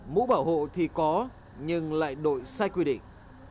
mũ bảo hộ thì có nhưng lại đội sai quy định